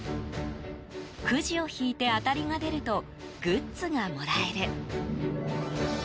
「くじをひいてあたりがでるとグッズがもらえる」。